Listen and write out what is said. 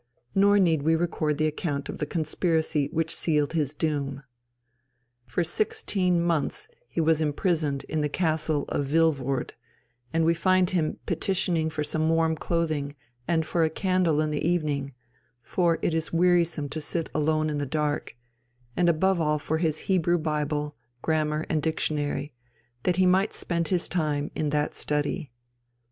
Nor need we record the account of the conspiracy which sealed his doom. For sixteen months he was imprisoned in the Castle of Vilvoord, and we find him petitioning for some warm clothing and "for a candle in the evening, for it is wearisome to sit alone in the dark," and above all for his Hebrew Bible, Grammar, and Dictionary, that he might spend his time in that study.